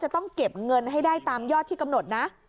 จะต้องเก็บเงินให้ได้ตามยอดที่กำหนดนะ